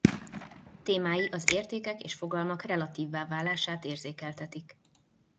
Témái az értékek és fogalmak relatívvá válását érzékeltetik.